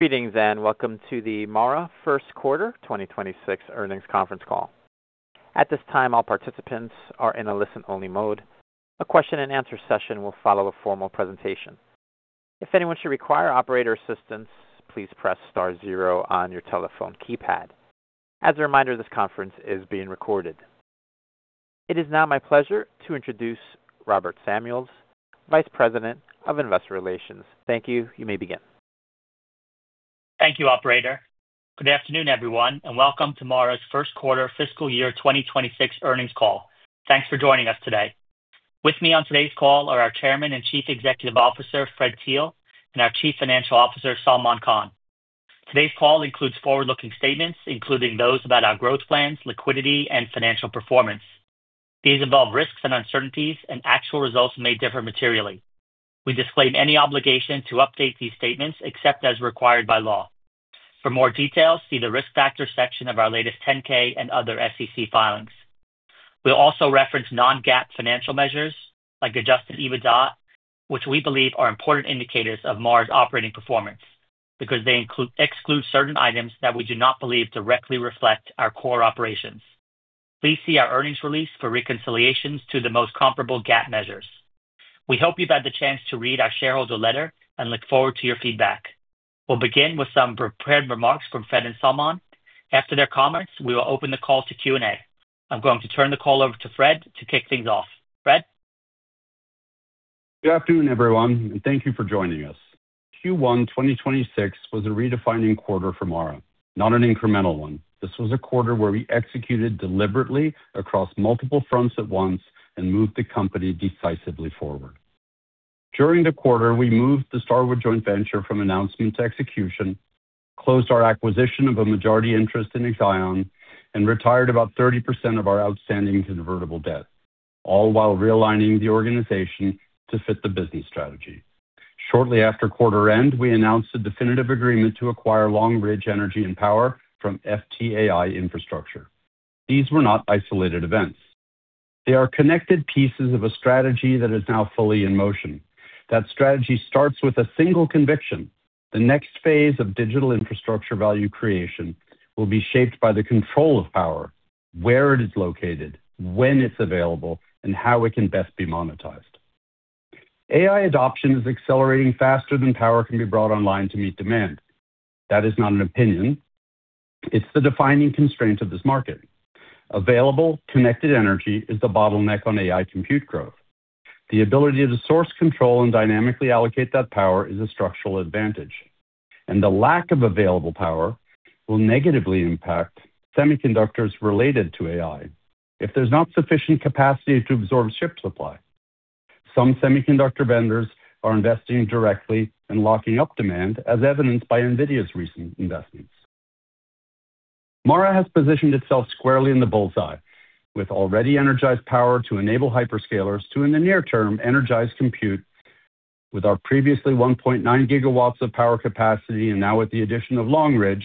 Greetings, welcome to the MARA first quarter 2026 earnings conference call. At this time, all participants are in a listen-only mode. A question and answer session will follow a formal presentation. If anyone should require operator assistance, please press star zero on your telephone keypad. As a reminder, this conference is being recorded. It is now my pleasure to introduce Robert Samuels, Vice President of Investor Relations. Thank you. You may begin. Thank you, operator. Good afternoon, everyone, welcome to MARA's first quarter fiscal year 2026 earnings call. Thanks for joining us today. With me on today's call are our Chairman and Chief Executive Officer, Fred Thiel, and our Chief Financial Officer, Salman Khan. Today's call includes forward-looking statements, including those about our growth plans, liquidity, and financial performance. These involve risks and uncertainties, actual results may differ materially. We disclaim any obligation to update these statements except as required by law. For more details, see the Risk Factors section of our latest 10-K and other SEC filings. We'll also reference non-GAAP financial measures like adjusted EBITDA, which we believe are important indicators of MARA's operating performance because they exclude certain items that we do not believe directly reflect our core operations. Please see our earnings release for reconciliations to the most comparable GAAP measures. We hope you've had the chance to read our shareholder letter and look forward to your feedback. We'll begin with some prepared remarks from Fred and Salman. After their comments, we will open the call to Q&A. I'm going to turn the call over to Fred to kick things off. Fred? Good afternoon, everyone, and thank you for joining us. Q1 2026 was a redefining quarter for MARA, not an incremental one. This was a quarter where we executed deliberately across multiple fronts at once and moved the company decisively forward. During the quarter, we moved the Starwood joint venture from announcement to execution, closed our acquisition of a majority interest in Exaion, and retired about 30% of our outstanding convertible debt, all while realigning the organization to fit the business strategy. Shortly after quarter end, we announced a definitive agreement to acquire Long Ridge Energy & Power from FTAI Infrastructure. These were not isolated events. They are connected pieces of a strategy that is now fully in motion. That strategy starts with a single conviction. The next phase of digital infrastructure value creation will be shaped by the control of power, where it is located, when it's available, and how it can best be monetized. AI adoption is accelerating faster than power can be brought online to meet demand. That is not an opinion. It's the defining constraint of this market. Available, connected energy is the bottleneck on AI compute growth. The ability to source, control, and dynamically allocate that power is a structural advantage, and the lack of available power will negatively impact semiconductors related to AI if there's not sufficient capacity to absorb chip supply. Some semiconductor vendors are investing directly in locking up demand, as evidenced by NVIDIA's recent investments. MARA has positioned itself squarely in the bull's eye with already energized power to enable hyperscalers to, in the near term, energize compute with our previously 1.9 GW of power capacity, and now with the addition of Long Ridge,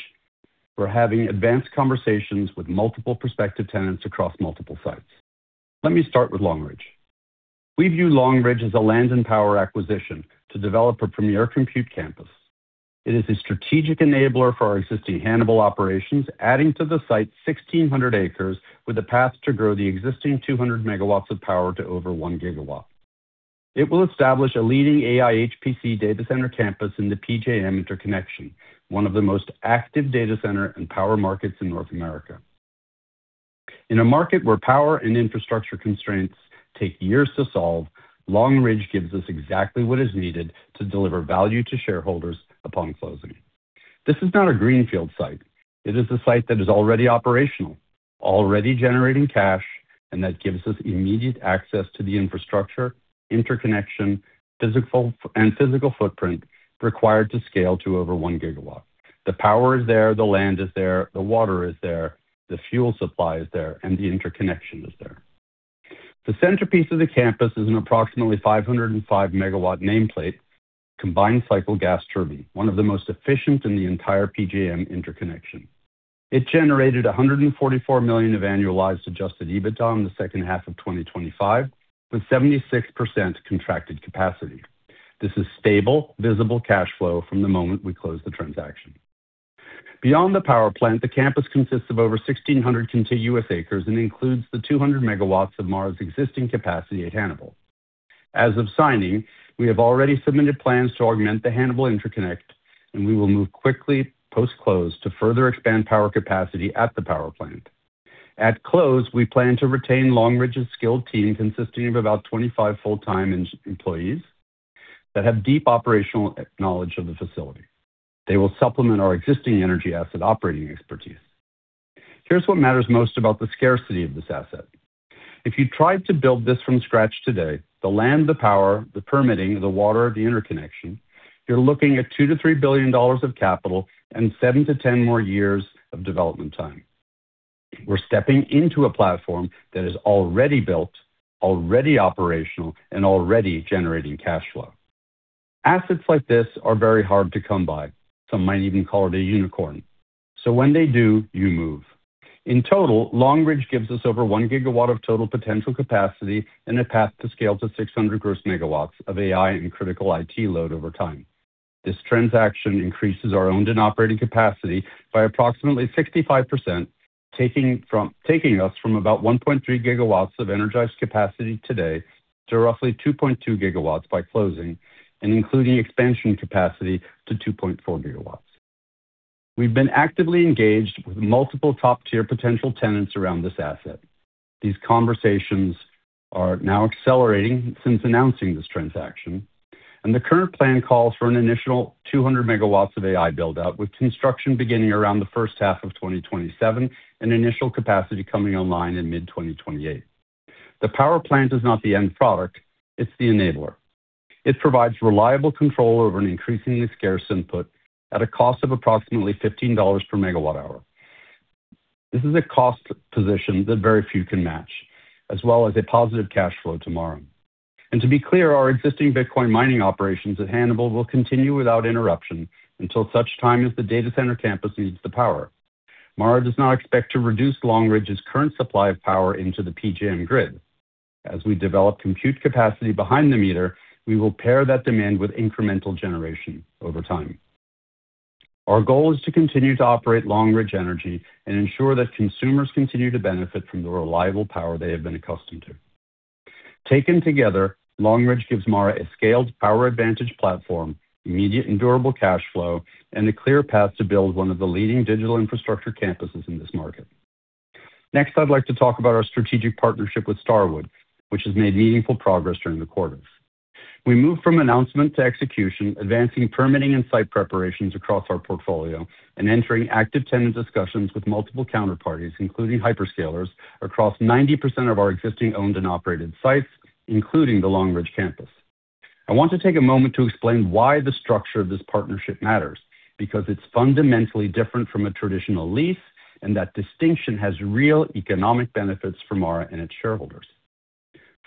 we're having advanced conversations with multiple prospective tenants across multiple sites. Let me start with Long Ridge. We view Long Ridge as a land and power acquisition to develop a premier compute campus. It is a strategic enabler for our existing Hannibal operations, adding to the site 1,600 acres with a path to grow the existing 200 MW of power to over 1 GW. It will establish a leading AI HPC data center campus in the PJM Interconnection, one of the most active data center and power markets in North America. In a market where power and infrastructure constraints take years to solve, Long Ridge gives us exactly what is needed to deliver value to shareholders upon closing. This is not a greenfield site. It is a site that is already operational, already generating cash, and that gives us immediate access to the infrastructure, interconnection, and physical footprint required to scale to over 1 GW. The power is there, the land is there, the water is there, the fuel supply is there, and the interconnection is there. The centerpiece of the campus is an approximately 505 MW nameplate combined-cycle gas turbine, one of the most efficient in the entire PJM Interconnection. It generated $144 million of annualized adjusted EBITDA in the second half of 2025, with 76% contracted capacity. This is stable, visible cash flow from the moment we close the transaction. Beyond the power plant, the campus consists of over 1,600 contiguous acres and includes the 200 MW of MARA's existing capacity at Hannibal. As of signing, we have already submitted plans to augment the Hannibal interconnect, and we will move quickly post-close to further expand power capacity at the power plant. At close, we plan to retain Long Ridge's skilled team, consisting of about 25 full-time employees that have deep operational knowledge of the facility. They will supplement our existing energy asset operating expertise. Here's what matters most about the scarcity of this asset. If you tried to build this from scratch today, the land, the power, the permitting, the water, the interconnection, you're looking at $2 billion-$3 billion of capital and 7-10 more years of development time. We're stepping into a platform that is already built, already operational, and already generating cash flow. Assets like this are very hard to come by. Some might even call it a unicorn. When they do, you move. In total, Long Ridge gives us over 1 GW of total potential capacity and a path to scale to 600 MW gross of AI and critical IT load over time. This transaction increases our owned and operating capacity by approximately 65%, taking us from about 1.3 GW of energized capacity today to roughly 2.2 GW by closing and including expansion capacity to 2.4 GW. We've been actively engaged with multiple top-tier potential tenants around this asset. These conversations are now accelerating since announcing this transaction. The current plan calls for an initial 200 MW of AI build-out, with construction beginning around the first half of 2027 and initial capacity coming online in mid-2028. The power plant is not the end product, it's the enabler. It provides reliable control over an increasingly scarce input at a cost of approximately $15 per MWh. This is a cost position that very few can match, as well as a positive cash flow to MARA. To be clear, our existing Bitcoin mining operations at Hannibal will continue without interruption until such time as the data center campus needs the power. MARA does not expect to reduce Long Ridge's current supply of power into the PJM grid. As we develop compute capacity behind the meter, we will pair that demand with incremental generation over time. Our goal is to continue to operate Long Ridge Energy and ensure that consumers continue to benefit from the reliable power they have been accustomed to. Taken together, Long Ridge gives MARA a scaled power advantage platform, immediate and durable cash flow, and a clear path to build one of the leading digital infrastructure campuses in this market. Next, I'd like to talk about our strategic partnership with Starwood, which has made meaningful progress during the quarter. We moved from announcement to execution, advancing permitting and site preparations across our portfolio and entering active tenant discussions with multiple counterparties, including hyperscalers across 90% of our existing owned and operated sites, including the Long Ridge campus. I want to take a moment to explain why the structure of this partnership matters, because it's fundamentally different from a traditional lease, and that distinction has real economic benefits for MARA and its shareholders.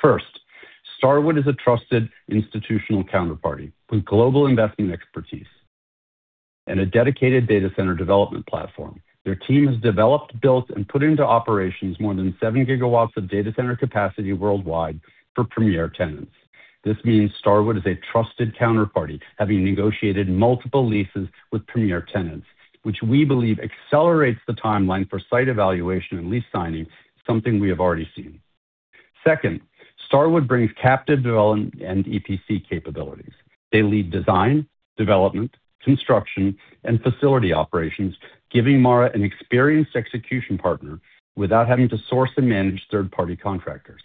First, Starwood is a trusted institutional counterparty with global investing expertise and a dedicated data center development platform. Their team has developed, built, and put into operations more than 7 GW of data center capacity worldwide for premier tenants. This means Starwood is a trusted counterparty, having negotiated multiple leases with premier tenants, which we believe accelerates the timeline for site evaluation and lease signing, something we have already seen. Second, Starwood brings captive development and EPC capabilities. They lead design, development, construction, and facility operations, giving MARA an experienced execution partner without having to source and manage third-party contractors.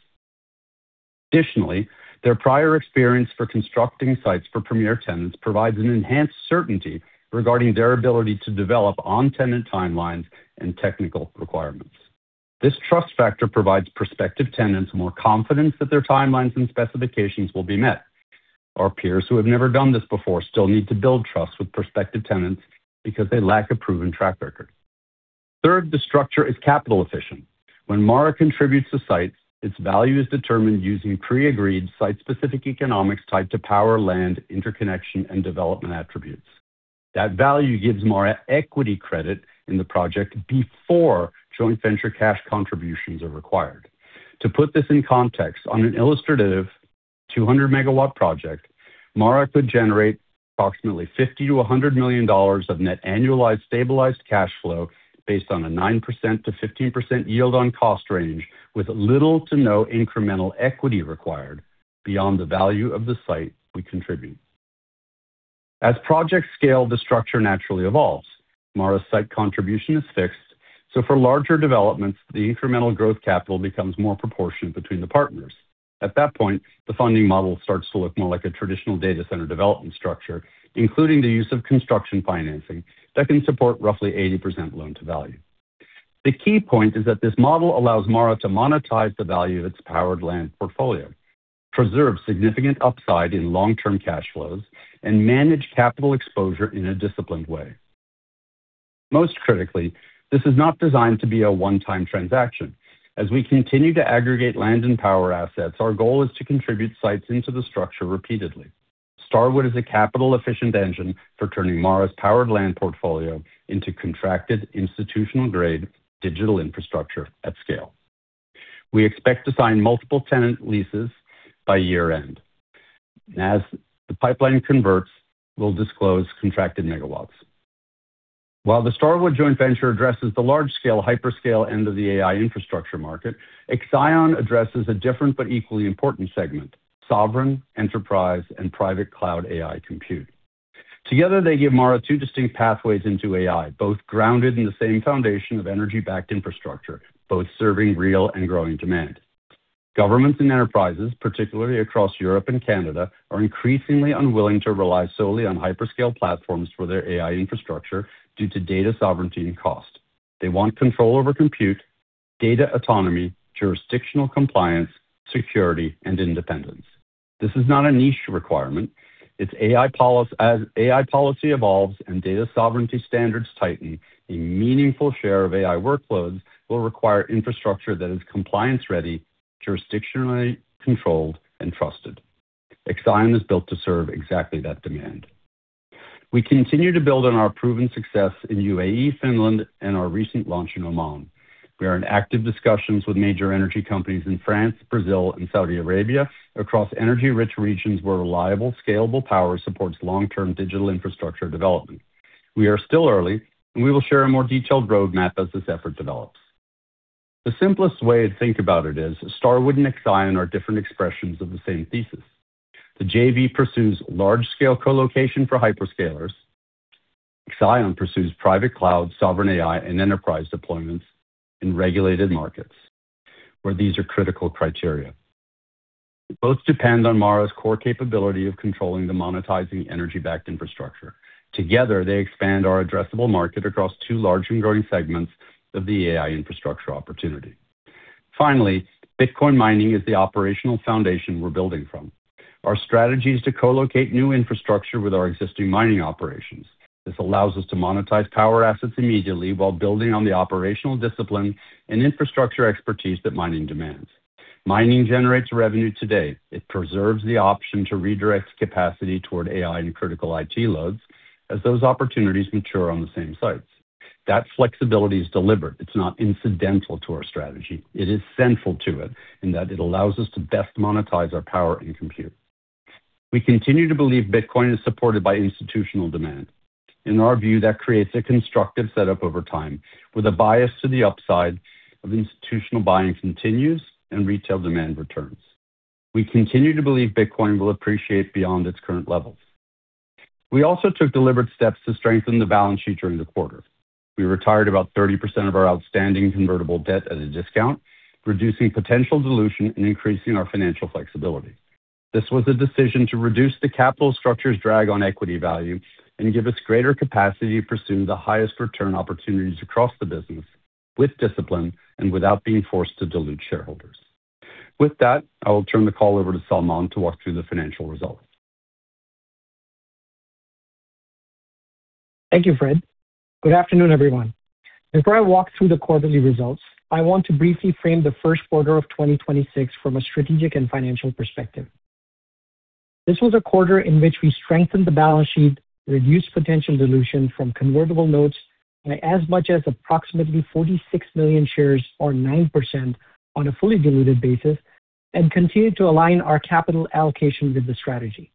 Additionally, their prior experience for constructing sites for premier tenants provides an enhanced certainty regarding their ability to develop on tenant timelines and technical requirements. This trust factor provides prospective tenants more confidence that their timelines and specifications will be met. Our peers who have never done this before still need to build trust with prospective tenants because they lack a proven track record. Third, the structure is capital efficient. When MARA contributes to sites, its value is determined using pre-agreed site-specific economics tied to power, land, interconnection, and development attributes. That value gives MARA equity credit in the project before joint venture cash contributions are required. To put this in context, on an illustrative 200 MW project, MARA could generate approximately $50 million-$100 million of net annualized stabilized cash flow based on a 9%-15% yield on cost range with little to no incremental equity required beyond the value of the site we contribute. As projects scale, the structure naturally evolves. MARA's site contribution is fixed, so for larger developments, the incremental growth capital becomes more proportionate between the partners. At that point, the funding model starts to look more like a traditional data center development structure, including the use of construction financing that can support roughly 80% loan-to-value. The key point is that this model allows MARA to monetize the value of its powered land portfolio, preserve significant upside in long-term cash flows, and manage capital exposure in a disciplined way. Most critically, this is not designed to be a one-time transaction. As we continue to aggregate land and power assets, our goal is to contribute sites into the structure repeatedly. Starwood is a capital-efficient engine for turning MARA's powered land portfolio into contracted institutional-grade digital infrastructure at scale. We expect to sign multiple tenant leases by year-end. As the pipeline converts, we'll disclose contracted megawatts. While the Starwood joint venture addresses the large-scale hyperscale end of the AI infrastructure market, Exaion addresses a different but equally important segment: sovereign, enterprise, and private cloud AI compute. Together, they give MARA two distinct pathways into AI, both grounded in the same foundation of energy-backed infrastructure, both serving real and growing demand. Governments and enterprises, particularly across Europe and Canada, are increasingly unwilling to rely solely on hyperscale platforms for their AI infrastructure due to data sovereignty and cost. They want control over compute, data autonomy, jurisdictional compliance, security, and independence. This is not a niche requirement. As AI policy evolves and data sovereignty standards tighten, a meaningful share of AI workloads will require infrastructure that is compliance-ready, jurisdictionally controlled, and trusted. Exaion is built to serve exactly that demand. We continue to build on our proven success in UAE, Finland, and our recent launch in Oman. We are in active discussions with major energy companies in France, Brazil, and Saudi Arabia across energy-rich regions where reliable, scalable power supports long-term digital infrastructure development. We are still early, and we will share a more detailed roadmap as this effort develops. The simplest way to think about it is Starwood and Exaion are different expressions of the same thesis. The JV pursues large-scale colocation for hyperscalers. Exaion pursues private cloud, sovereign AI, and enterprise deployments in regulated markets where these are critical criteria. Both depend on MARA's core capability of controlling the monetizing energy-backed infrastructure. Together, they expand our addressable market across two large and growing segments of the AI infrastructure opportunity. Finally, Bitcoin mining is the operational foundation we're building from. Our strategy is to co-locate new infrastructure with our existing mining operations. This allows us to monetize power assets immediately while building on the operational discipline and infrastructure expertise that mining demands. Mining generates revenue today. It preserves the option to redirect capacity toward AI and critical IT loads as those opportunities mature on the same sites. That flexibility is deliberate. It's not incidental to our strategy. It is central to it in that it allows us to best monetize our power and compute. We continue to believe Bitcoin is supported by institutional demand. In our view, that creates a constructive setup over time, with a bias to the upside of institutional buying continues and retail demand returns. We continue to believe Bitcoin will appreciate beyond its current levels. We also took deliberate steps to strengthen the balance sheet during the quarter. We retired about 30% of our outstanding convertible debt at a discount, reducing potential dilution and increasing our financial flexibility. This was a decision to reduce the capital structure's drag on equity value and give us greater capacity to pursue the highest return opportunities across the business with discipline and without being forced to dilute shareholders. With that, I will turn the call over to Salman to walk through the financial results. Thank you, Fred. Good afternoon, everyone. Before I walk through the quarterly results, I want to briefly frame the first quarter of 2026 from a strategic and financial perspective. This was a quarter in which we strengthened the balance sheet, reduced potential dilution from convertible notes by as much as approximately 46 million shares or 9% on a fully diluted basis, and continued to align our capital allocation with the strategy.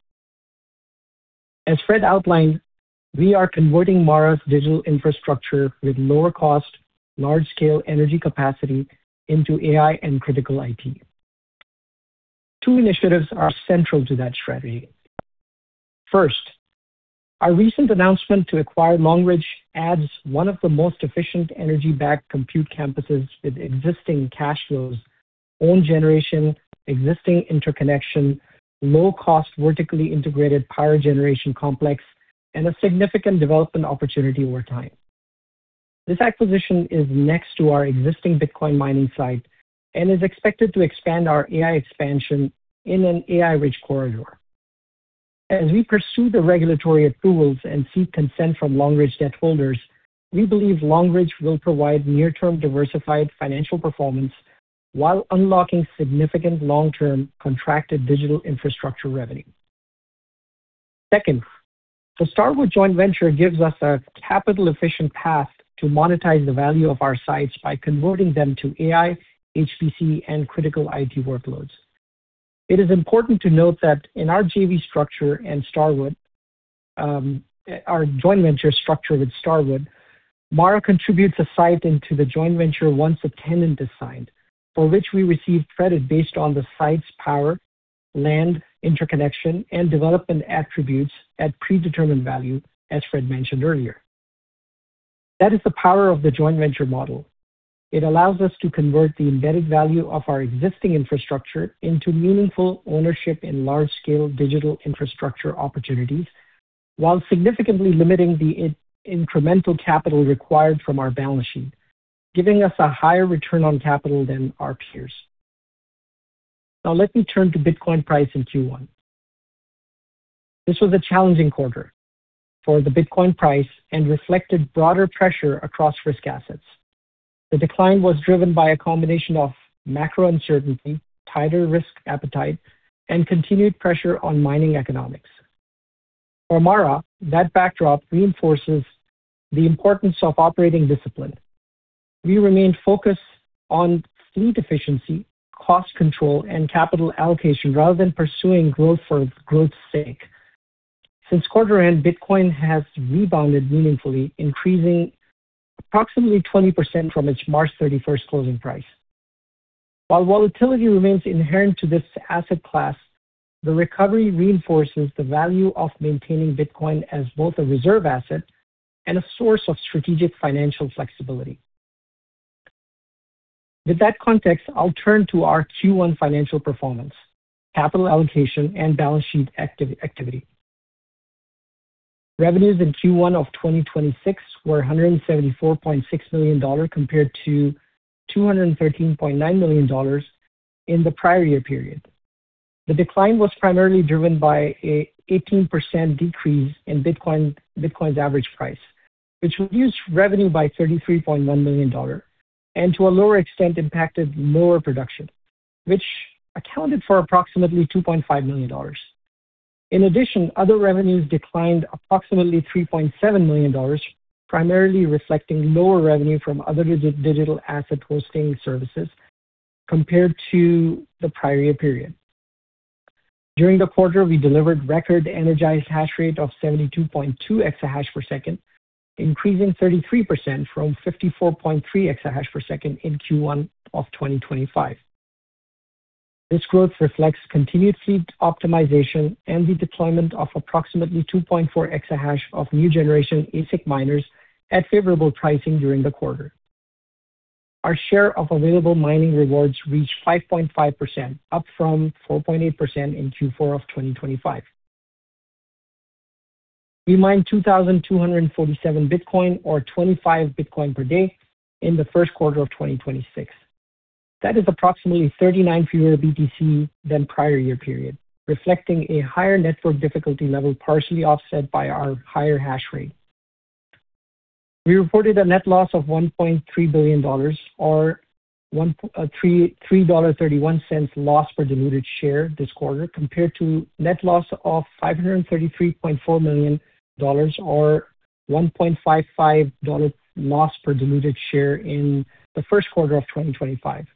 As Fred outlined, we are converting MARA's digital infrastructure with lower cost, large-scale energy capacity into AI and critical IT. Two initiatives are central to that strategy. First, our recent announcement to acquire Long Ridge adds one of the most efficient energy-backed compute campuses with existing cash flows, own generation, existing interconnection, low cost, vertically integrated power generation complex, and a significant development opportunity over time. This acquisition is next to our existing Bitcoin mining site and is expected to expand our AI expansion in an AI-rich corridor. As we pursue the regulatory approvals and seek consent from Long Ridge debt holders, we believe Long Ridge will provide near-term diversified financial performance while unlocking significant long-term contracted digital infrastructure revenue. Second, the Starwood joint venture gives us a capital-efficient path to monetize the value of our sites by converting them to AI, HPC, and critical IT workloads. It is important to note that in our JV structure and Starwood, our joint venture structure with Starwood, MARA contributes a site into the joint venture once a tenant is signed, for which we receive credit based on the site's power, land, interconnection, and development attributes at predetermined value, as Fred mentioned earlier. That is the power of the joint venture model. It allows us to convert the embedded value of our existing infrastructure into meaningful ownership in large-scale digital infrastructure opportunities while significantly limiting the incremental capital required from our balance sheet, giving us a higher return on capital than our peers. Let me turn to Bitcoin price in Q1. This was a challenging quarter for the Bitcoin price and reflected broader pressure across risk assets. The decline was driven by a combination of macro uncertainty, tighter risk appetite, and continued pressure on mining economics. For MARA, that backdrop reinforces the importance of operating discipline. We remain focused on fleet efficiency, cost control, and capital allocation rather than pursuing growth for growth's sake. Since quarter end, Bitcoin has rebounded meaningfully, increasing approximately 20% from its March 31st closing price. While volatility remains inherent to this asset class, the recovery reinforces the value of maintaining Bitcoin as both a reserve asset and a source of strategic financial flexibility. With that context, I'll turn to our Q1 financial performance, capital allocation, and balance sheet activity. Revenues in Q1 of 2026 were $174.6 million compared to $213.9 million in the prior year period. The decline was primarily driven by an 18% decrease in Bitcoin's average price. Which reduced revenue by $33.1 million, and to a lower extent impacted lower production, which accounted for approximately $2.5 million. In addition, other revenues declined approximately $3.7 million, primarily reflecting lower revenue from other digital asset hosting services compared to the prior year period. During the quarter, we delivered record energized hash rate of 72.2 exahash per second, increasing 33% from 54.3 exahash per second in Q1 of 2025. This growth reflects continued fleet optimization and the deployment of approximately 2.4 exahash of new generation ASIC miners at favorable pricing during the quarter. Our share of available mining rewards reached 5.5%, up from 4.8% in Q4 of 2025. We mined 2,247 Bitcoin, or 25 Bitcoin per day, in the first quarter of 2026. That is approximately 39 fewer BTC than prior year period, reflecting a higher network difficulty level partially offset by our higher hash rate. We reported a net loss of $1.3 billion, or a $3.31 loss per diluted share this quarter, compared to net loss of $533.4 million, or a $1.55 loss per diluted share in the first quarter of 2025.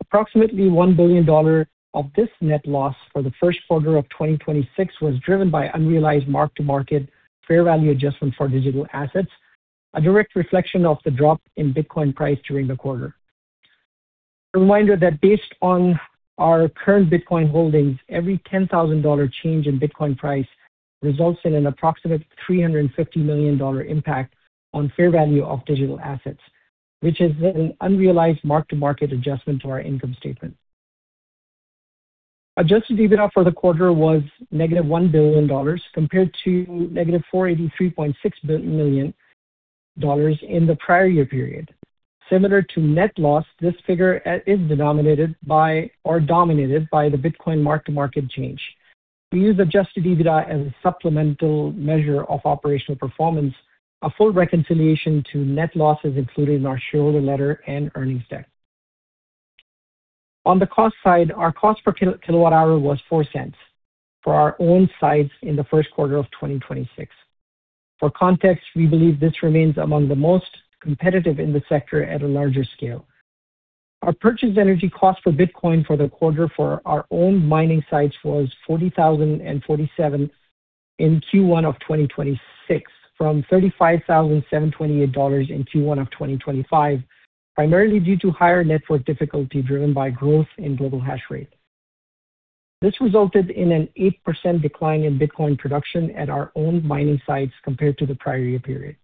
Approximately $1 billion of this net loss for the first quarter of 2026 was driven by unrealized mark-to-market fair value adjustment for digital assets, a direct reflection of the drop in Bitcoin price during the quarter. A reminder that based on our current Bitcoin holdings, every $10,000 change in Bitcoin price results in an approximate $350 million impact on fair value of digital assets, which is an unrealized mark-to-market adjustment to our income statement. Adjusted EBITDA for the quarter was -$1 billion compared to -$483.6 million in the prior year period. Similar to net loss, this figure is dominated by the Bitcoin mark-to-market change. We use adjusted EBITDA as a supplemental measure of operational performance. A full reconciliation to net loss is included in our shareholder letter and earnings deck. On the cost side, our cost per kilowatt-hour was $0.04 for our own sites in the first quarter of 2026. For context, we believe this remains among the most competitive in the sector at a larger scale. Our purchase energy cost for Bitcoin for the quarter for our own mining sites was $40,047 in Q1 of 2026, from $35,728 in Q1 of 2025, primarily due to higher network difficulty driven by growth in global hash rate. This resulted in an 8% decline in Bitcoin production at our own mining sites compared to the prior year period.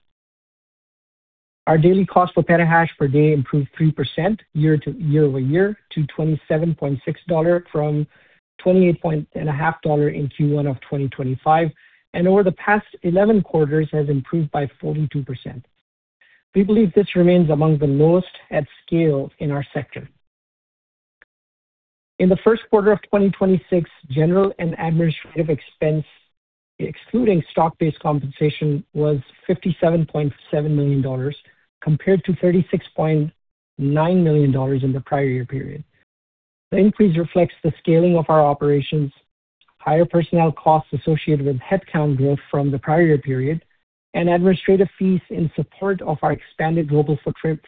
Our daily cost for petahash per day improved 3% year-over-year to $27.6 from $28.5 in Q1 of 2025, and over the past 11 quarters has improved by 42%. We believe this remains among the lowest at scale in our sector. In the first quarter of 2026, general and administrative expense, excluding stock-based compensation, was $57.7 million, compared to $36.9 million in the prior year period. The increase reflects the scaling of our operations, higher personnel costs associated with headcount growth from the prior year period, and administrative fees in support of our expanded global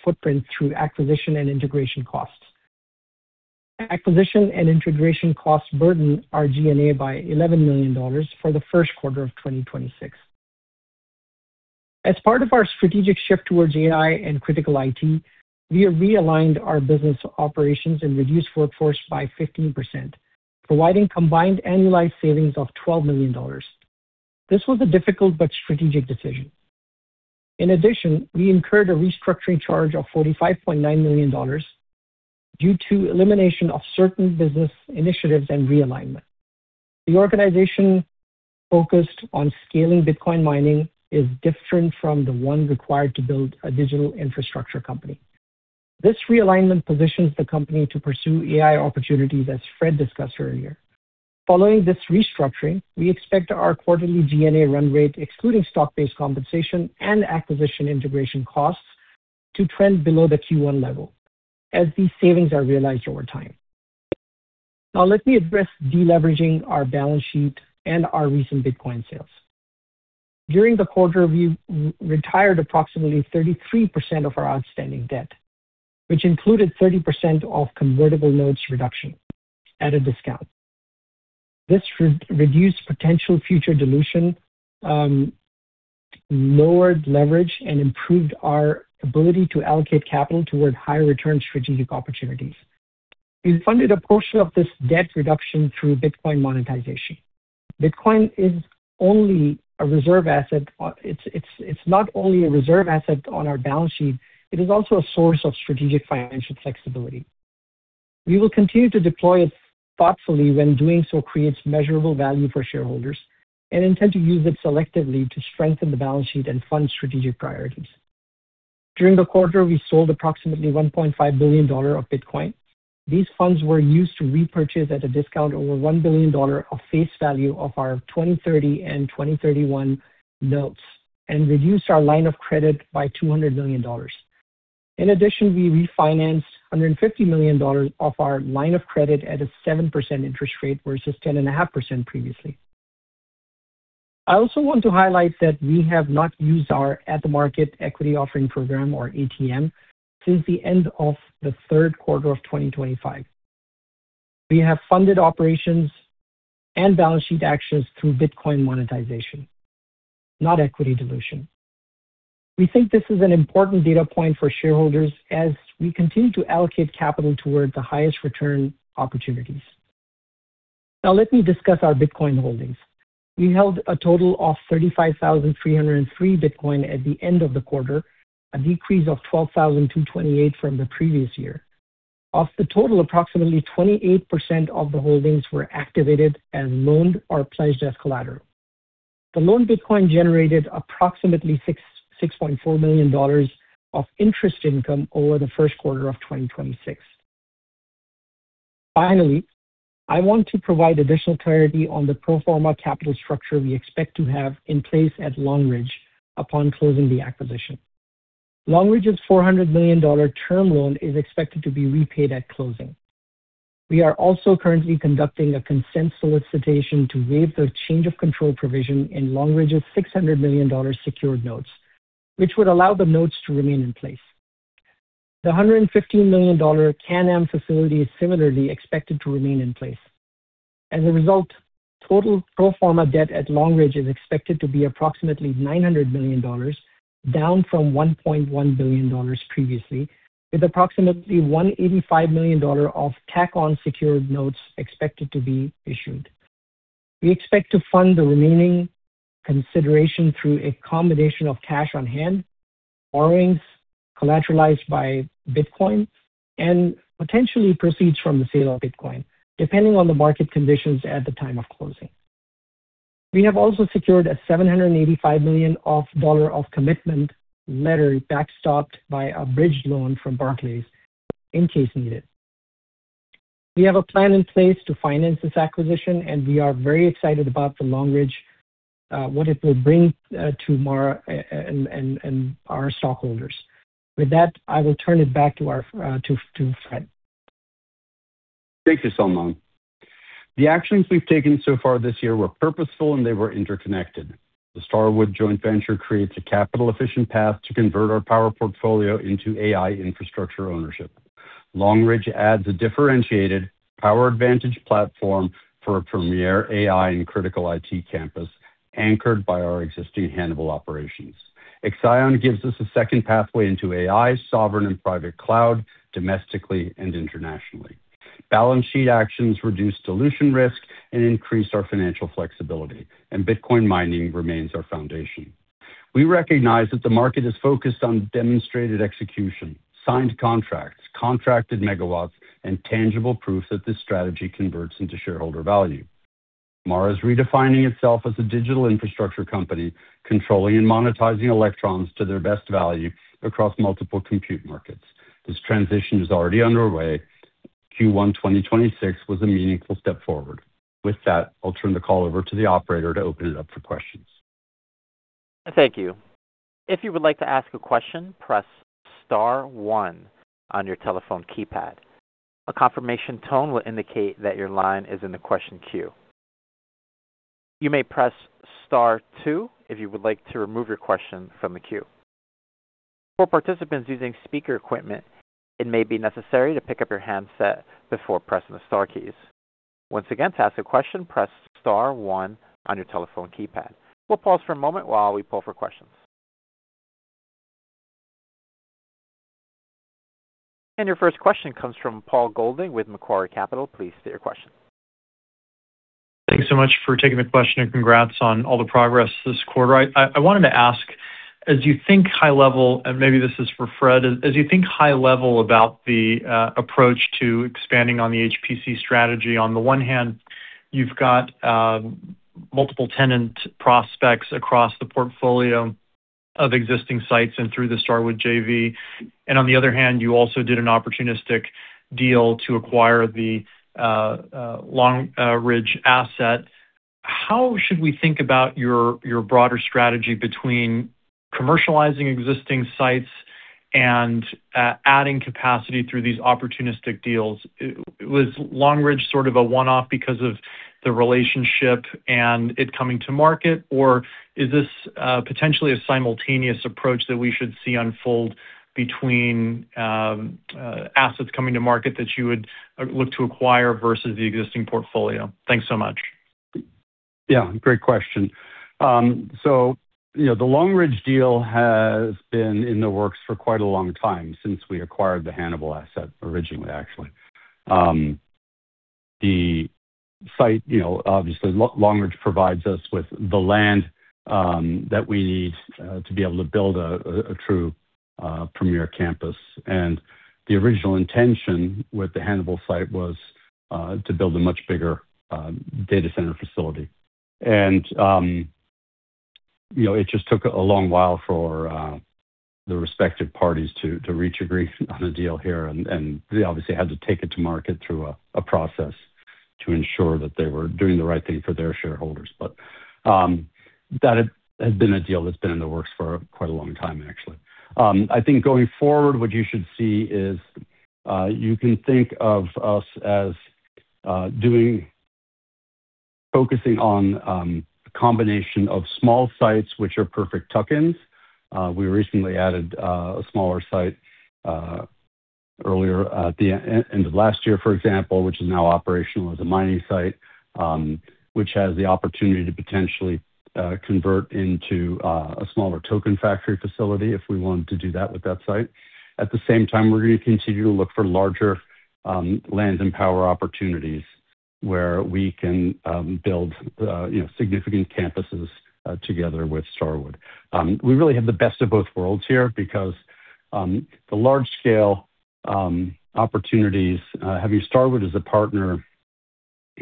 footprint through acquisition and integration costs. Acquisition and integration costs burden our G&A by $11 million for the first quarter of 2026. As part of our strategic shift towards AI and critical IT, we have realigned our business operations and reduced workforce by 15%, providing combined annualized savings of $12 million. This was a difficult but strategic decision. In addition, we incurred a restructuring charge of $45.9 million due to elimination of certain business initiatives and realignment. The organization focused on scaling Bitcoin mining is different from the one required to build a digital infrastructure company. This realignment positions the company to pursue AI opportunities, as Fred discussed earlier. Following this restructuring, we expect our quarterly G&A run rate, excluding stock-based compensation and acquisition integration costs, to trend below the Q1 level as these savings are realized over time. Let me address deleveraging our balance sheet and our recent Bitcoin sales. During the quarter, we retired approximately 33% of our outstanding debt, which included 30% of convertible notes reduction at a discount. This reduced potential future dilution, lowered leverage, and improved our ability to allocate capital toward higher return strategic opportunities. We funded a portion of this debt reduction through Bitcoin monetization. Bitcoin is only a reserve asset. It's not only a reserve asset on our balance sheet, it is also a source of strategic financial flexibility. We will continue to deploy it thoughtfully when doing so creates measurable value for shareholders and intend to use it selectively to strengthen the balance sheet and fund strategic priorities. During the quarter, we sold approximately $1.5 billion of Bitcoin. These funds were used to repurchase at a discount over $1 billion of face value of our 2030 and 2031 notes and reduced our line of credit by $200 million. In addition, we refinanced $150 million of our line of credit at a 7% interest rate versus 10.5% previously. I also want to highlight that we have not used our at-the-market equity offering program, or ATM, since the end of the third quarter of 2025. We have funded operations and balance sheet actions through Bitcoin monetization, not equity dilution. We think this is an important data point for shareholders as we continue to allocate capital toward the highest return opportunities. Now let me discuss our Bitcoin holdings. We held a total of 35,303 Bitcoin at the end of the quarter, a decrease of 12,228 from the previous year. Of the total, approximately 28% of the holdings were activated and loaned or pledged as collateral. The loan Bitcoin generated approximately $6.4 million of interest income over the first quarter of 2026. Finally, I want to provide additional clarity on the pro forma capital structure we expect to have in place at Long Ridge upon closing the acquisition. Long Ridge's $400 million term loan is expected to be repaid at closing. We are also currently conducting a consent solicitation to waive the change of control provision in Long Ridge's $600 million secured notes, which would allow the notes to remain in place. The $115 million Can-Am facility is similarly expected to remain in place. As a result, total pro forma debt at Long Ridge is expected to be approximately $900 million, down from $1.1 billion previously, with approximately $185 million of tack-on secured notes expected to be issued. We expect to fund the remaining consideration through a combination of cash on hand, borrowings collateralized by Bitcoin, and potentially proceeds from the sale of Bitcoin, depending on the market conditions at the time of closing. We have also secured a $785 million of dollar of commitment letter backstopped by a bridge loan from Barclays in case needed. We have a plan in place to finance this acquisition, and we are very excited about the Long Ridge, what it will bring to MARA and our stockholders. With that, I will turn it back to our to Fred. Thank you, Salman. The actions we've taken so far this year were purposeful, and they were interconnected. The Starwood joint venture creates a capital-efficient path to convert our power portfolio into AI infrastructure ownership. Long Ridge adds a differentiated power advantage platform for a premier AI and critical IT campus anchored by our existing Hannibal operations. Exaion gives us a second pathway into AI, sovereign and private cloud, domestically and internationally. Balance sheet actions reduce dilution risk and increase our financial flexibility, and Bitcoin mining remains our foundation. We recognize that the market is focused on demonstrated execution, signed contracts, contracted megawatts, and tangible proof that this strategy converts into shareholder value. MARA is redefining itself as a digital infrastructure company, controlling and monetizing electrons to their best value across multiple compute markets. This transition is already underway. Q1 2026 was a meaningful step forward. With that, I'll turn the call over to the operator to open it up for questions. Thank you. If you would like to ask a question, press star one on your telephone keypad. A confirmation tone will indicate that your line is in the question queue. You may press star two if you would like to remove your question from the queue. For participants using speaker equipment, it may be necessary to pick up your handset before pressing the star keys. Once again, to ask a question, press star one on your telephone keypad. We'll pause for a moment while we poll for questions. Your first question comes from Paul Golding with Macquarie Capital. Please state your question. Thanks so much for taking the question. Congrats on all the progress this quarter. I wanted to ask, as you think high level, and maybe this is for Fred, as you think high level about the approach to expanding on the HPC strategy, on the one hand, you've got multiple tenant prospects across the portfolio of existing sites and through the Starwood JV. On the other hand, you also did an opportunistic deal to acquire the Long Ridge asset. How should we think about your broader strategy between commercializing existing sites and adding capacity through these opportunistic deals? Was Long Ridge sort of a one-off because of the relationship and it coming to market, or is this, potentially a simultaneous approach that we should see unfold between, assets coming to market that you would, look to acquire versus the existing portfolio? Thanks so much. Yeah, great question. You know, the Long Ridge deal has been in the works for quite a long time, since we acquired the Hannibal asset originally, actually. The site, you know, obviously Long Ridge provides us with the land that we need to be able to build a true premier campus. The original intention with the Hannibal site was to build a much bigger data center facility. You know, it just took a long while for the respective parties to reach agreement on a deal here, and they obviously had to take it to market through a process to ensure that they were doing the right thing for their shareholders. That has been a deal that's been in the works for quite a long time, actually. I think going forward, what you should see is, you can think of us as focusing on combination of small sites which are perfect tuck-ins. We recently added a smaller site earlier at the end of last year, for example, which is now operational as a mining site, which has the opportunity to potentially convert into a smaller token factory facility if we want to do that with that site. At the same time, we're gonna continue to look for larger land and power opportunities where we can build significant campuses together with Starwood. We really have the best of both worlds here because the large scale opportunities, having Starwood as a partner,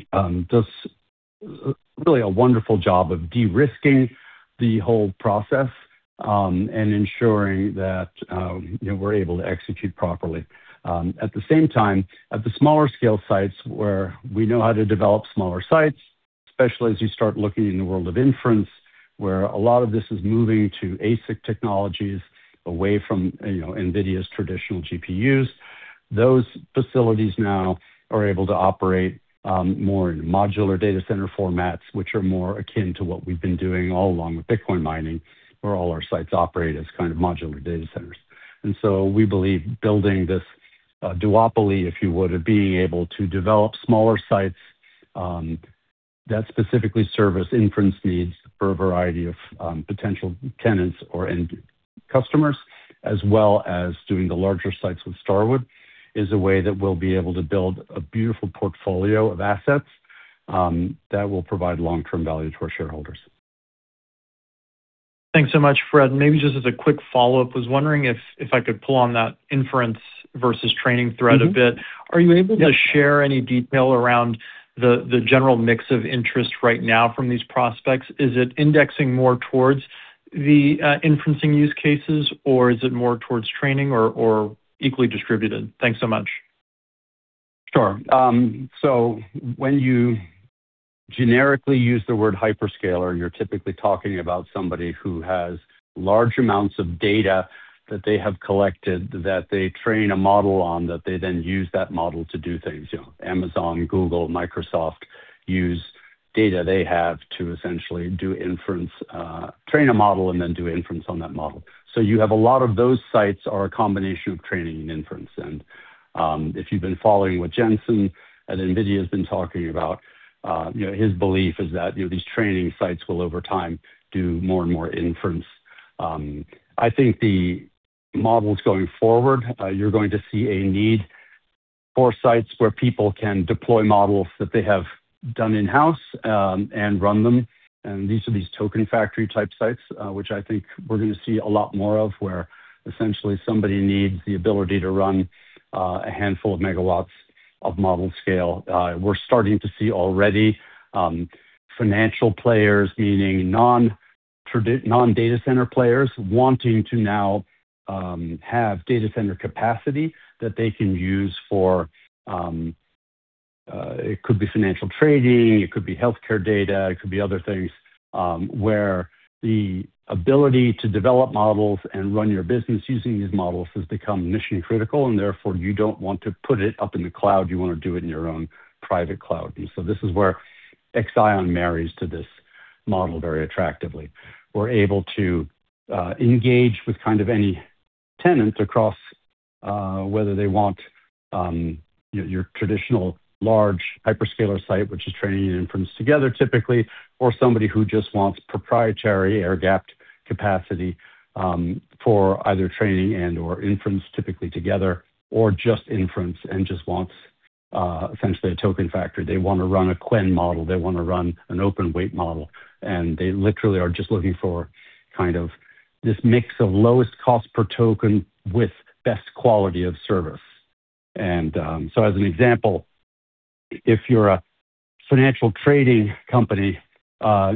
does really a wonderful job of de-risking the whole process, and ensuring that, you know, we're able to execute properly. At the same time, at the smaller scale sites where we know how to develop smaller sites, especially as you start looking in the world of inference, where a lot of this is moving to ASIC technologies away from, you know, NVIDIA's traditional GPUs. Those facilities now are able to operate more in modular data center formats, which are more akin to what we've been doing all along with Bitcoin mining, where all our sites operate as kind of modular data centers. We believe building this duopoly, if you would, of being able to develop smaller sites that specifically service inference needs for a variety of potential tenants or end customers, as well as doing the larger sites with Starwood, is a way that we'll be able to build a beautiful portfolio of assets that will provide long-term value to our shareholders. Thanks so much, Fred. Maybe just as a quick follow-up, was wondering if I could pull on that inference versus training thread a bit. Mm-hmm. Yep. Are you able to share any detail around the general mix of interest right now from these prospects? Is it indexing more towards the inferencing use cases, or is it more towards training or equally distributed? Thanks so much. Sure. When you generically use the word hyperscaler, you're typically talking about somebody who has large amounts of data that they have collected, that they train a model on, that they then use that model to do things. You know, Amazon, Google, Microsoft use data they have to essentially do inference, train a model and then do inference on that model. You have a lot of those sites are a combination of training and inference. If you've been following what Jensen at NVIDIA has been talking about, you know, his belief is that, you know, these training sites will over time do more and more inference. I think the models going forward, you're going to see a need for sites where people can deploy models that they have done in-house, and run them. These are these token factory type sites, which I think we're going to see a lot more of, where essentially somebody needs the ability to run a handful of megawatts of model scale. We're starting to see already financial players, meaning non-data center players, wanting to now have data center capacity that they can use for. It could be financial trading, it could be healthcare data, it could be other things, where the ability to develop models and run your business using these models has become mission-critical, and therefore you don't want to put it up in the cloud. You want to do it in your own private cloud. This is where Exaion marries to this model very attractively. We're able to engage with kind of any tenant across, whether they want your traditional large hyperscaler site, which is training and inference together typically, or somebody who just wants proprietary air-gapped capacity for either training and/or inference typically together, or just inference and just wants essentially a token factory. They wanna run a Qwen model, they wanna run an open weight model, they literally are just looking for kind of this mix of lowest cost per token with best quality of service. As an example, if you're a financial trading company,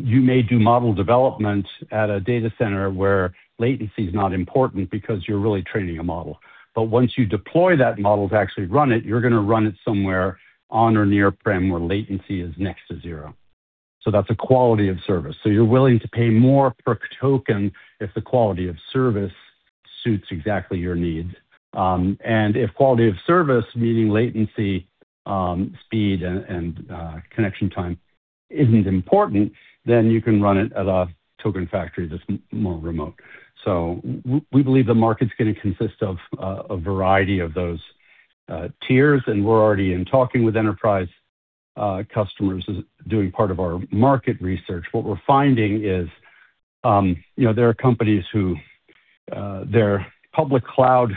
you may do model development at a data center where latency is not important because you're really training a model. Once you deploy that model to actually run it, you're gonna run it somewhere on or near-prem, where latency is next to zero. That's a quality of service. You're willing to pay more per token if the quality of service suits exactly your needs. And if quality of service, meaning latency, speed, and connection time isn't important, then you can run it at a token factory that's more remote. We believe the market's gonna consist of a variety of those tiers, and we're already in talking with enterprise customers doing part of our market research. What we're finding is, you know, there are companies who their public cloud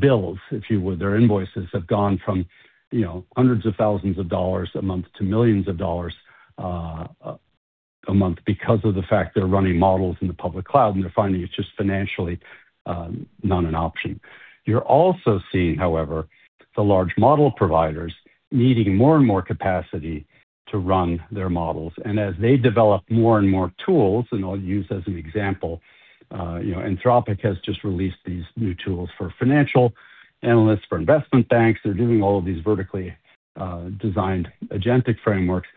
bills, if you would, their invoices have gone from, you know, $100,000s a month to millions of dollars a month because of the fact they're running models in the public cloud, and they're finding it's just financially not an option. You're also seeing, however, the large model providers, needing more and more capacity to run their models. As they develop more and more tools, I'll use as an example, you know, Anthropic has just released these new tools for financial analysts, for investment banks. They're doing all of these vertically designed agentic frameworks.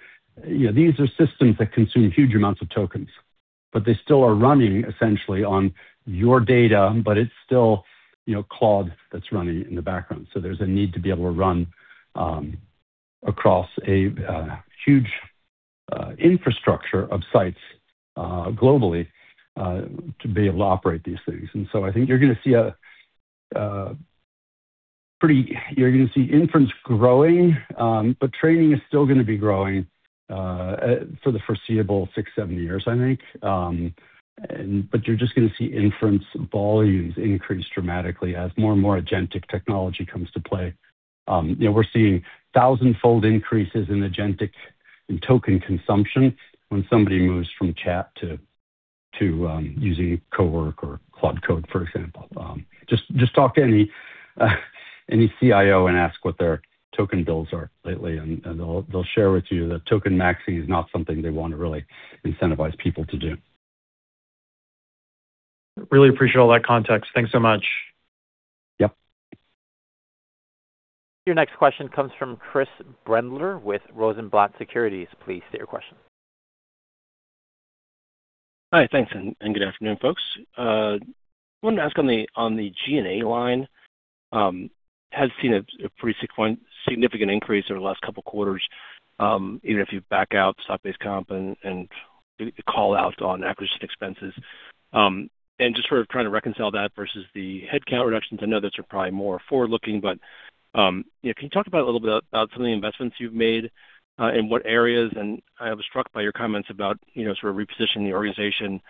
You know, these are systems that consume huge amounts of tokens, but they still are running essentially on your data, it's still, you know, Claude that's running in the background. There's a need to be able to run across a huge infrastructure of sites globally to be able to operate these things. I think you're gonna see inference growing, training is still gonna be growing for the foreseeable six to seven years, I think. You're just gonna see inference volumes increase dramatically as more and more agentic technology comes to play. You know, we're seeing thousandfold increases in agentic and token consumption when somebody moves from chat to using Cowork or Claude Code, for example. Just talk to any CIO and ask what their token bills are lately, and they'll share with you that token maxi is not something they want to really incentivize people to do. Really appreciate all that context. Thanks so much. Yep. Your next question comes from Chris Brendler with Rosenblatt Securities. Please state your question. Hi. Thanks, and good afternoon, folks. Wanted to ask on the G&A line has seen a pretty significant increase over the last couple quarters, even if you back out stock-based comp and call out on acquisition expenses. Just sort of trying to reconcile that versus the headcount reductions. I know that you're probably more forward-looking, but, you know, can you talk about a little bit about some of the investments you've made in what areas? I was struck by your comments about, you know, sort of repositioning the organization.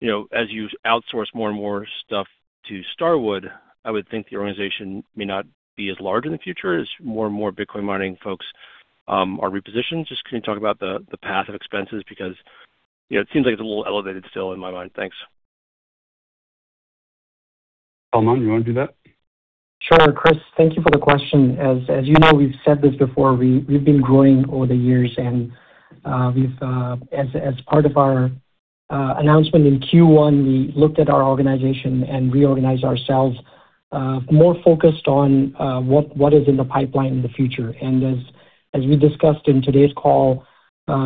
You know, as you outsource more and more stuff to Starwood, I would think the organization may not be as large in the future as more and more Bitcoin mining folks are repositioned. Just can you talk about the path of expenses? You know, it seems like it's a little elevated still in my mind. Thanks. Salman, you wanna do that? Sure. Chris, thank you for the question. As you know, we've said this before, we've been growing over the years and we've, as part of our announcement in Q1, we looked at our organization and reorganized ourselves more focused on what is in the pipeline in the future. As we discussed in today's call,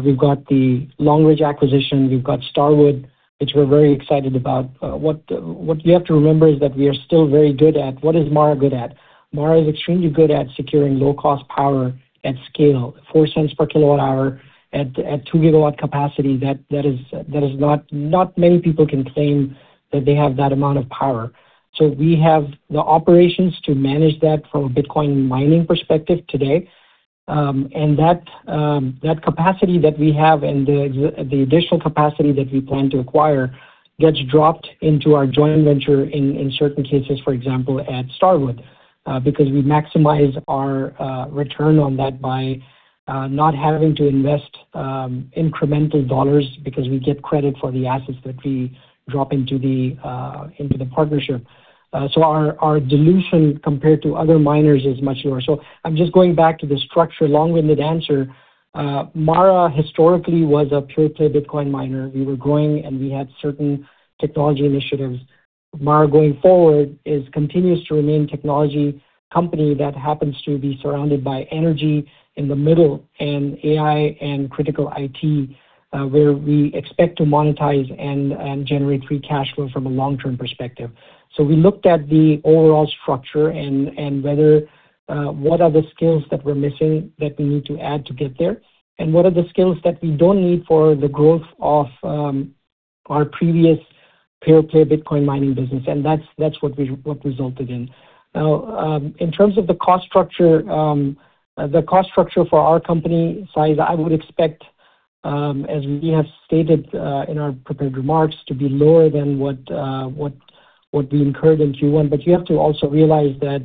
we've got the Long Ridge acquisition, we've got Starwood, which we're very excited about. What you have to remember is that we are still very good at what is MARA good at? Mara is extremely good at securing low-cost power at scale, $0.04 per kWh at 2 GW capacity. That is not. Not many people can claim that they have that amount of power. We have the operations to manage that from a Bitcoin mining perspective today. That capacity that we have and the additional capacity that we plan to acquire gets dropped into our joint venture in certain cases, for example, at Starwood. Because we maximize our return on that by not having to invest incremental dollars because we get credit for the assets that we drop into the partnership. Our dilution compared to other miners is much lower. I'm just going back to the structure. Long-winded answer. MARA historically was a pure play Bitcoin miner. We were growing, and we had certain technology initiatives. MARA going forward is continues to remain technology company that happens to be surrounded by energy in the middle and AI and critical IT, where we expect to monetize and generate free cash flow from a long-term perspective. We looked at the overall structure and whether what are the skills that we're missing that we need to add to get there, and what are the skills that we don't need for the growth of our previous pure play Bitcoin mining business. That's what resulted in. In terms of the cost structure, the cost structure for our company size, I would expect, as we have stated, in our prepared remarks, to be lower than what we incurred in Q1. You have to also realize that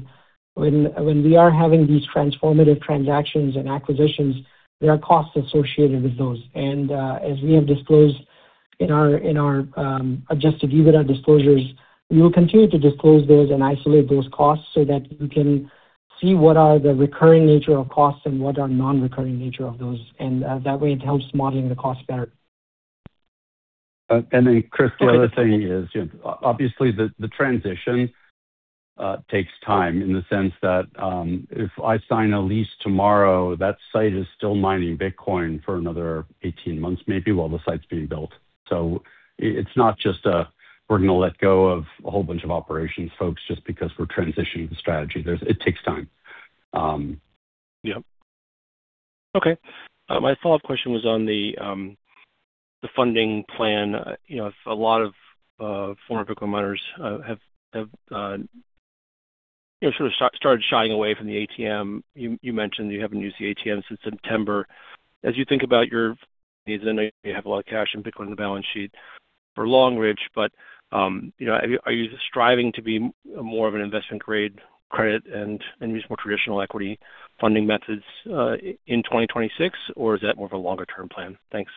when we are having these transformative transactions and acquisitions, there are costs associated with those. As we have disclosed in our adjusted EBITDA disclosures, we will continue to disclose those and isolate those costs so that we can see what are the recurring nature of costs and what are non-recurring nature of those. That way it helps modeling the cost better. Chris, the other thing is, you know, obviously the transition, takes time in the sense that, if I sign a lease tomorrow, that site is still mining Bitcoin for another 18 months maybe while the site's being built. It's not just a, "We're gonna let go of a whole bunch of operations folks just because we're transitioning the strategy." It takes time. Okay. My follow-up question was on the funding plan. You know, a lot of former Bitcoin miners have, you know, started shying away from the ATM. You mentioned you haven't used the ATM since September. As you think about your needs, I know you have a lot of cash in Bitcoin in the balance sheet for Long Ridge, but, you know, are you striving to be more of an investment grade credit and use more traditional equity funding methods in 2026, or is that more of a longer term plan? Thanks.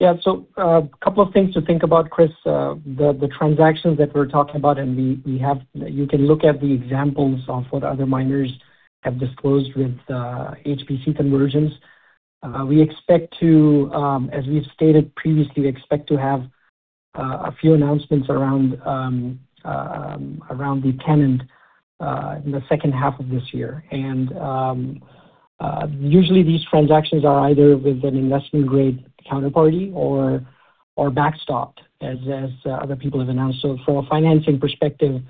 Couple of things to think about, Chris. The transactions that we're talking about, and we have-- you can look at the examples of what other miners have disclosed with HPC conversions. We expect to, as we've stated previously, we expect to have a few announcements around the tenant in the second half of this year. Usually these transactions are either with an investment-grade counterparty or backstopped, as other people have announced. From a financing perspective,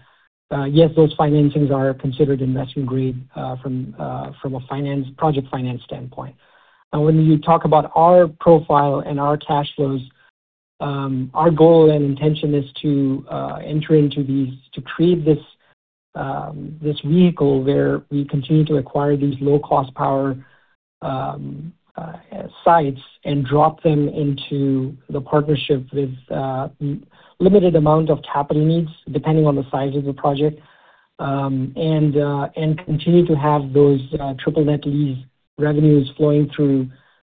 yes, those financings are considered investment-grade from a finance, project finance standpoint. When you talk about our profile and our cash flows, our goal and intention is to enter into these to create this vehicle where we continue to acquire these low-cost power sites and drop them into the partnership with limited amount of capital needs, depending on the size of the project and continue to have those triple net lease revenues flowing through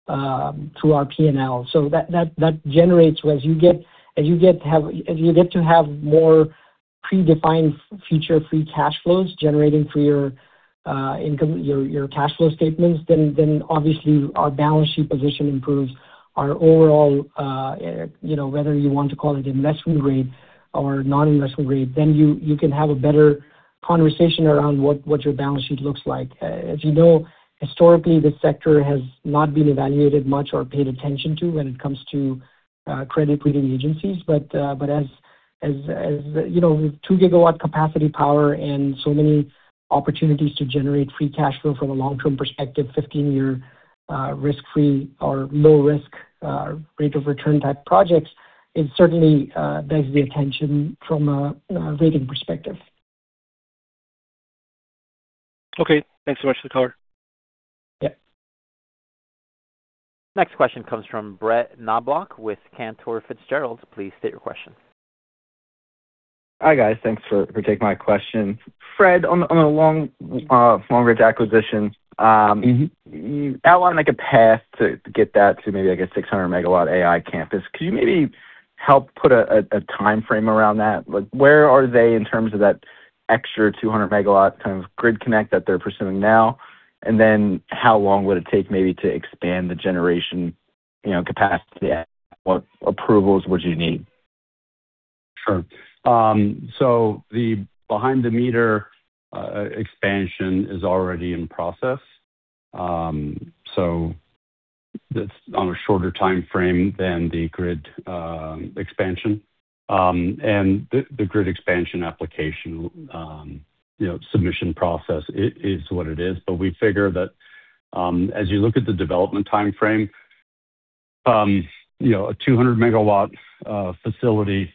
our P&L. So that generates. As you get to have more predefined future free cash flows generating for your income, your cash flow statements, then obviously our balance sheet position improves our overall, you know, whether you want to call it investment grade or non-investment grade, then you can have a better conversation around what your balance sheet looks like. As you know, historically, this sector has not been evaluated much or paid attention to when it comes to credit rating agencies. But as, you know, with 2 GW capacity power and so many opportunities to generate free cash flow from a long-term perspective, 15-year risk-free or low risk rate of return type projects, it certainly begs the attention from a rating perspective. Okay. Thanks so much for the color. Yeah. Next question comes from Brett Knoblauch with Cantor Fitzgerald. Please state your question. Hi, guys. Thanks for taking my question. Fred, on the Long Ridge acquisition, Outline a path to get that to maybe a 600 MW AI campus? Could you maybe help put a timeframe around that? Where are they in terms of that extra 200 MW kind of grid connect that they're pursuing now? How long would it take maybe to expand the generation, you know, capacity? What approvals would you need? Sure. The behind the meter expansion is already in process. That's on a shorter timeframe than the grid expansion. The grid expansion application, you know, submission process is what it is. We figure that, as you look at the development timeframe, you know, a 200 MW facility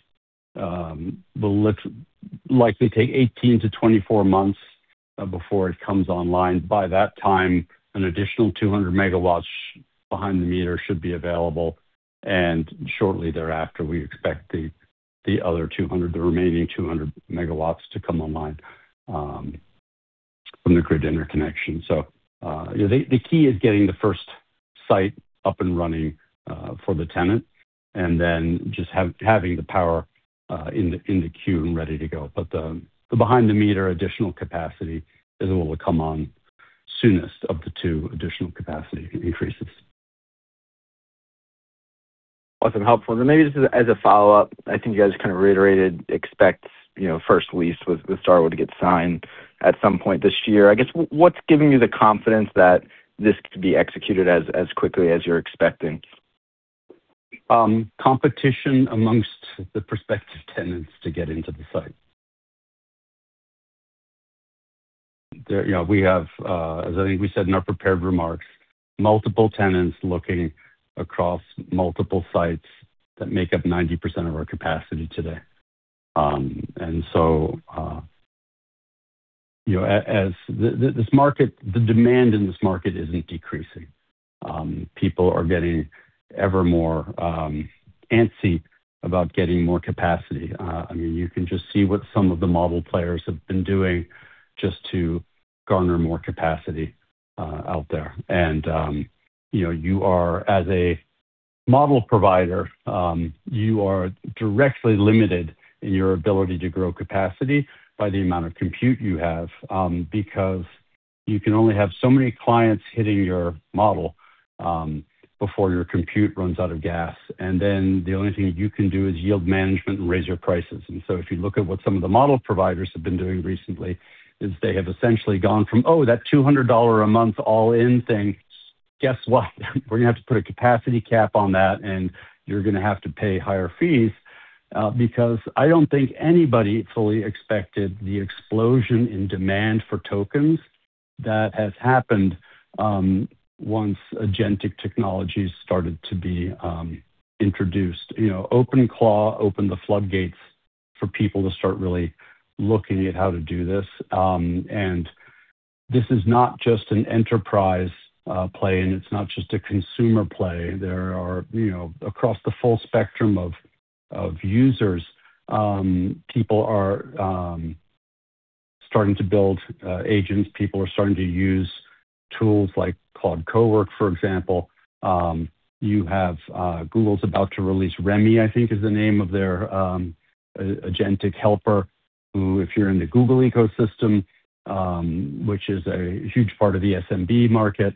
will likely take 18-24 months before it comes online. By that time, an additional 200 MW behind the meter should be available, and shortly thereafter, we expect the other 200, the remaining 200 MW to come online from the grid interconnection. You know, the key is getting the first site up and running for the tenant and then just having the power in the queue and ready to go. The behind the meter additional capacity is what will come on soonest of the two additional capacity increases. Awesome. Helpful. Then maybe just as a follow-up, I think you guys kind of reiterated, expect, you know, first lease with Starwood to get signed at some point this year. I guess, what's giving you the confidence that this could be executed as quickly as you're expecting? Competition amongst the prospective tenants to get into the site. You know, we have, as I think we said in our prepared remarks, multiple tenants looking across multiple sites that make up 90% of our capacity today. You know, this market, the demand in this market isn't decreasing. People are getting ever more antsy about getting more capacity. I mean, you can just see what some of the model players have been doing just to garner more capacity out there. You know, you are, as a model provider, you are directly limited in your ability to grow capacity by the amount of compute you have, because you can only have so many clients hitting your model before your compute runs out of gas. The only thing you can do is yield management and raise your prices. If you look at what some of the model providers have been doing recently, is they have essentially gone from, "Oh, that $200 a month all-in thing, guess what? We're going to have to put a capacity cap on that, and you're going to have to pay higher fees." Because I don't think anybody fully expected the explosion in demand for tokens that has happened once agentic technologies started to be introduced. You know, OpenClaw opened the floodgates for people to start really looking at how to do this. This is not just an enterprise play, and it's not just a consumer play. There are, you know, across the full spectrum of users, people are starting to build agents. People are starting to use tools like Claude Cowork, for example. You have Google's about to release Gemini, I think is the name of their agentic helper, who, if you're in the Google ecosystem, which is a huge part of the SMB market,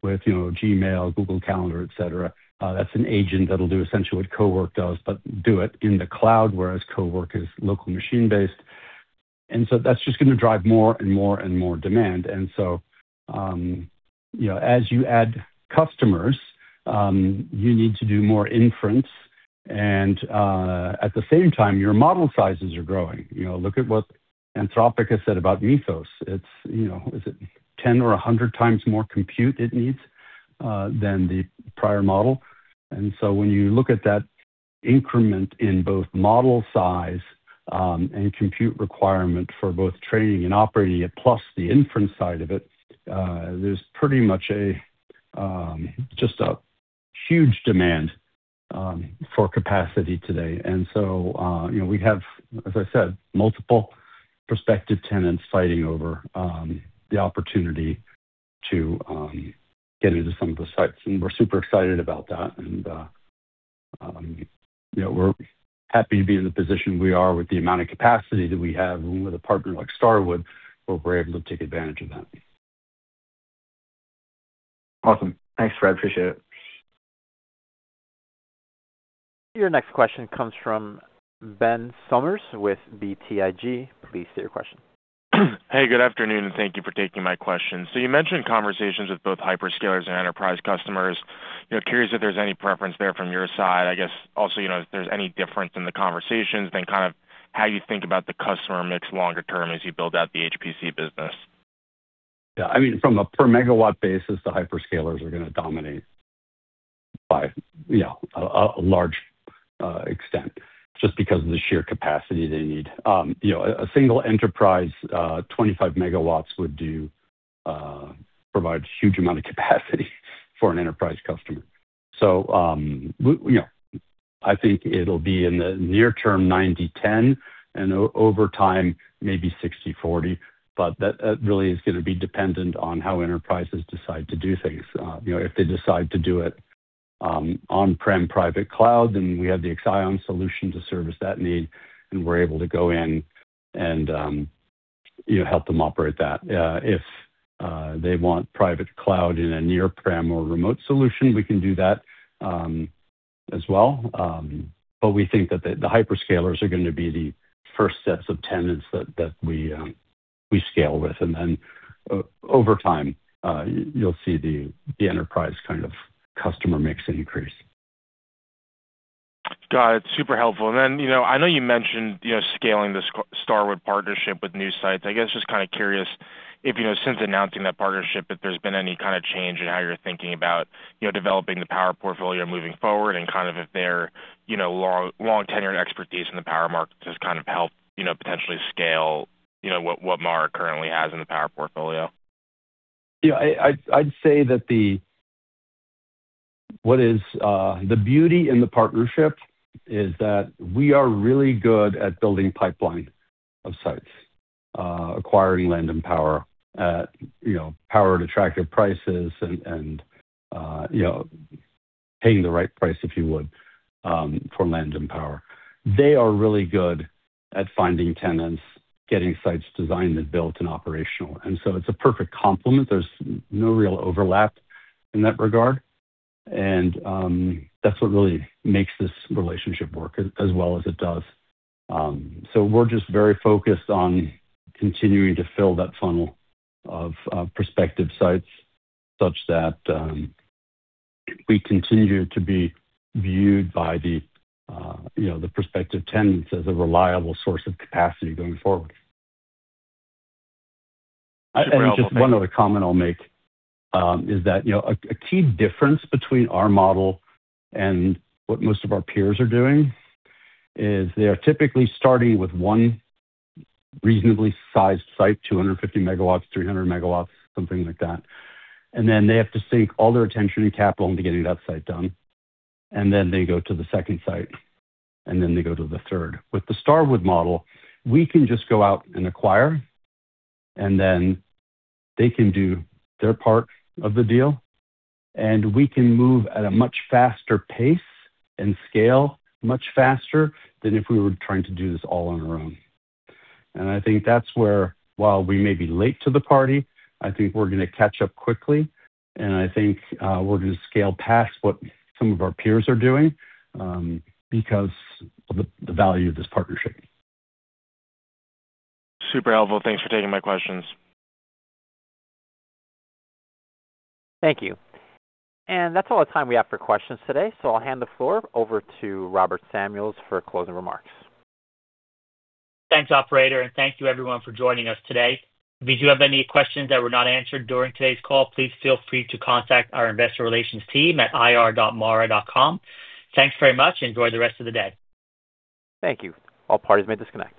with, you know, Gmail, Google Calendar, et cetera, that's an agent that'll do essentially what Cowork does, but do it in the cloud, whereas Cowork is local machine-based. That's just gonna drive more and more and more demand. You know, as you add customers, you need to do more inference and, at the same time, your model sizes are growing. You know, look at what Anthropic has said about Mythos. It's, you know, is it 10x or 100x more compute it needs than the prior model? When you look at that increment in both model size, and compute requirement for both training and operating it, plus the inference side of it, there's pretty much a just a huge demand for capacity today. You know, we have, as I said, multiple prospective tenants fighting over the opportunity to get into some of the sites, and we're super excited about that. You know, we're happy to be in the position we are with the amount of capacity that we have and with a partner like Starwood, where we're able to take advantage of that. Awesome. Thanks, Fred. Appreciate it. Your next question comes from Ben Sommers with BTIG. Please state your question. Hey, good afternoon, and thank you for taking my question. You mentioned conversations with both hyperscalers and enterprise customers. You know, curious if there's any preference there from your side? I guess also, you know, if there's any difference in the conversations, then kind of how you think about the customer mix longer term as you build out the HPC business? I mean, from a per megawatt basis, the hyperscalers are gonna dominate by, you know, a large extent just because of the sheer capacity they need. You know, a single enterprise, 25 MW would do, provide huge amount of capacity for an enterprise customer. You know, I think it'll be in the near term, 90/10, and over time, maybe 60/40, but that really is gonna be dependent on how enterprises decide to do things. You know, if they decide to do it, on-prem private cloud, then we have the Exaion solution to service that need, and we're able to go in and, you know, help them operate that. If they want private cloud in a near prem or remote solution, we can do that as well. We think that the hyperscalers are gonna be the first sets of tenants that we scale with. Over time, you'll see the enterprise kind of customer mix increase. Got it. Super helpful. I know you mentioned, you know, scaling the Starwood partnership with new sites. I guess just kind of curious if, you know, since announcing that partnership, if there's been any kind of change in how you're thinking about, you know, developing the power portfolio moving forward and kind of if their, you know, long tenured expertise in the power market has kind of helped, you know, potentially scale, you know, what MARA currently has in the power portfolio? Yeah, I'd say that what is the beauty in the partnership is that we are really good at building pipeline of sites, acquiring land and power at, you know, power at attractive prices and, you know, paying the right price, if you would, for land and power. They are really good at finding tenants, getting sites designed and built and operational, so it's a perfect complement. There's no real overlap in that regard. That's what really makes this relationship work as well as it does. So we're just very focused on continuing to fill that funnel of prospective sites such that we continue to be viewed by the, you know, the prospective tenants as a reliable source of capacity going forward. Super helpful. Thanks. Just one other comment I'll make, is that, you know, a key difference between our model and what most of our peers are doing is they are typically starting with one reasonably sized site, 250 MW, 300 MW, something like that. Then they have to sink all their attention and capital into getting that site done. Then they go to the second site, then they go to the third. With the Starwood model, we can just go out and acquire, and then they can do their part of the deal, and we can move at a much faster pace and scale much faster than if we were trying to do this all on our own. I think that's where, while we may be late to the party, I think we're gonna catch up quickly, and I think we're gonna scale past what some of our peers are doing because of the value of this partnership. Super helpful. Thanks for taking my questions. Thank you. That's all the time we have for questions today, so I'll hand the floor over to Robert Samuels for closing remarks. Thanks, operator, and thank you everyone for joining us today. If you do have any questions that were not answered during today's call, please feel free to contact our Investor Relations team at ir.mara.com. Thanks very much. Enjoy the rest of the day. Thank you. All parties may disconnect.